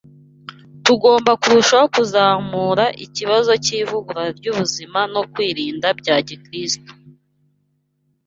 tugomba kurushaho kuzamura ikibazo cy’ivugurura ry’ubuzima no kwirinda bya Gikristo